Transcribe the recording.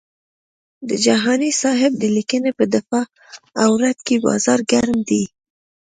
د جهاني صاحب د لیکنې په دفاع او رد کې بازار ګرم دی.